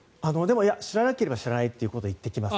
知らなければ知らないと言ってきます。